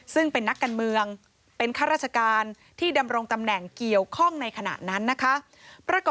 ซึ่งเป็นนักการเมืองเป็นข้าราชการ